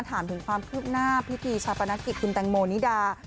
ถามถึงความคืบหน้าพิธีชาปนกิจคุณแตงโมนิดา